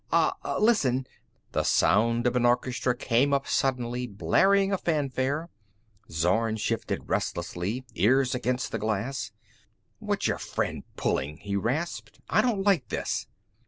Ah listen...." The sound of an orchestra came up suddenly, blaring a fanfare. Zorn shifted restlessly, ear against the glass. "What's your friend pulling?" he rasped. "I don't like this."